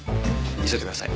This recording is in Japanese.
急いでください。